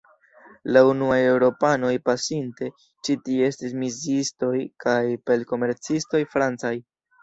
La unuaj Eŭropanoj pasinte ĉi-tie estis misiistoj kaj pelt-komercistoj francaj.